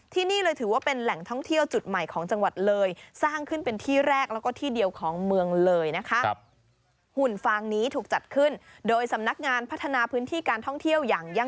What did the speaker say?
ที่นี่เลยถือว่าเป็นแหล่งท่องเที่ยวจุดใหม่ของจังหวัดเลย